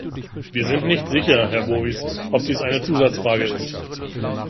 Wir sind nicht sicher, Herr Bowis, ob dies eine Zusatzfrage ist.